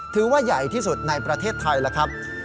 ถือว่าใหญ่ที่สุดในประเทศไทยแล้วครับ